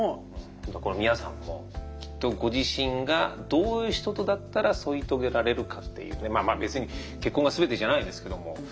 このみあさんもきっとご自身がどういう人とだったら添い遂げられるかっていうねまあまあ別に結婚が全てじゃないですけども。